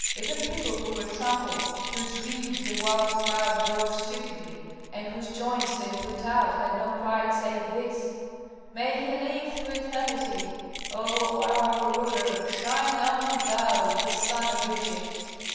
Even people who were trampled, whose ribs the wild crowd broke stupidly, and whose joints they put out, had no cry save this, "May he live through eternity, O our ruler! Shine on, thou the sun of Egypt!"